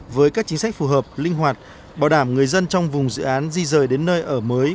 với các chính sách phù hợp linh hoạt bảo đảm người dân trong vùng dự án di rời đến nơi ở mới